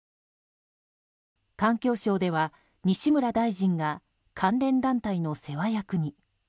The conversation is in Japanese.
環境省では、西村大臣が関連団体の世話役に。